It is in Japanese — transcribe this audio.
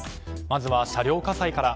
まずは車両火災から。